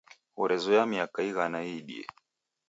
Ghorezoya miaka ighana iidie.